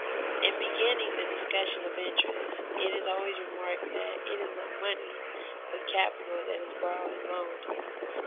_ In beginning the discussion of interest, it always is remarked that it is not money, but capital, that is borrowed and loaned.